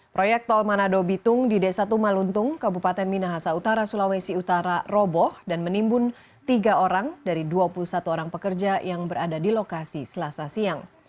proyek tol manado bitung di desa tumaluntung kabupaten minahasa utara sulawesi utara roboh dan menimbun tiga orang dari dua puluh satu orang pekerja yang berada di lokasi selasa siang